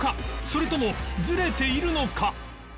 それともずれているのか？